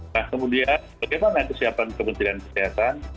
nah kemudian bagaimana kesiapan kementerian kesehatan